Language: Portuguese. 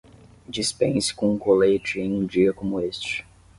Dispense com um colete em um dia como este.